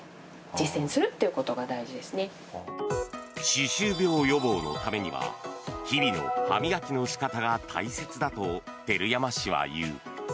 歯周病予防のためには日々の歯磨きの仕方が大切だと照山氏は言う。